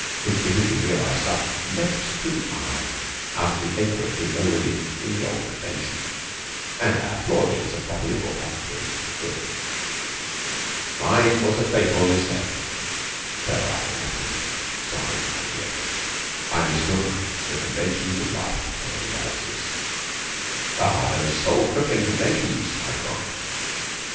His vividly realised stuff leaped to the eye out of the acreage of low relief in the old convention, and I applauded as a properly brought up tourist should. 'Mine was a fatal mistake,' Pharaoh Ahkenaton sighed in my ear,' I mistook the conventions of life for the realities.' 'Ah, those soul crippling conventions!' I cried.